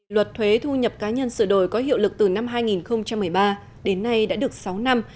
luật thuế thu nhập cá nhân sửa đổi có hiệu lực từ năm hai nghìn một mươi ba đến nay đã được sáu năm